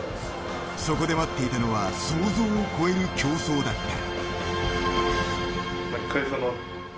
そこで待っていたのは想像を超える競争だった。